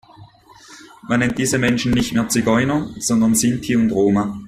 Man nennt diese Menschen nicht mehr Zigeuner, sondern Sinti und Roma.